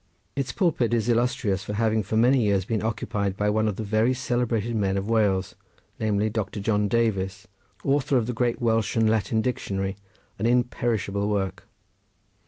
Its pulpit is illustrious from having for many years been occupied by one of the very celebrated men of Wales, namely Doctor John Davies, author of the great Welsh and Latin dictionary, an imperishable work.